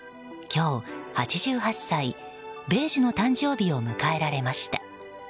今日、８８歳米寿の誕生日を迎えられました。